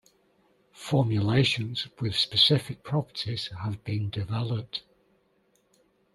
Formulations with specific properties have been developed.